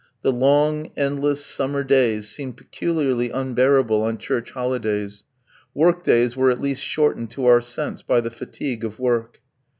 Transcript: The long, endless, summer days seemed peculiarly unbearable on Church holidays. Work days were at least shortened to our sense by the fatigue of work.